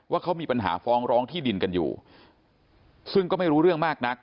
เขามีปัญหาฟ้องร้องที่ดินกันอยู่ซึ่งก็ไม่รู้เรื่องมากนัก